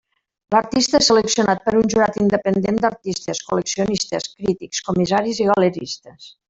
L'artista és seleccionat per un jurat independent d'artistes, col·leccionistes, crítics, comissaris i galeristes.